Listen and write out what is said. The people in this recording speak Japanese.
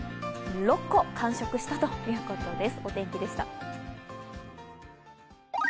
６個完食したということです。